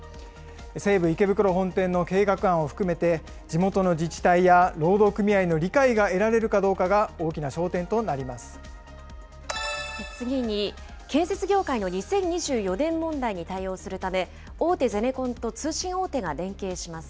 西武池袋本店の計画案を含めて、地元の自治体や労働組合の理解が得られるかどうかが大きな焦点と次に、建設業界の２０２４年問題に対応するため、大手ゼネコンと通信大手が連携します。